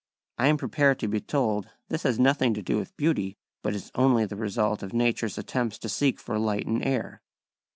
I am prepared to be told this has nothing to do with beauty but is only the result of nature's attempts to seek for light and air.